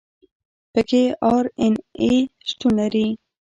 پکې آر این اې شتون لري.